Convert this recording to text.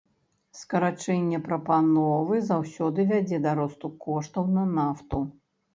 Скарачэнне прапановы заўсёды вядзе да росту коштаў на нафту.